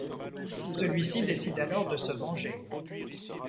Celui-ci décide alors de se venger.